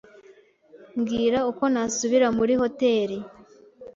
Mbwira uko nasubira muri hoteri.